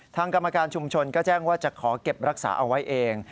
ทางกรรมการชุมชนก็แจ้งว่าจะขอเก็บรักษาเอาไว้เอง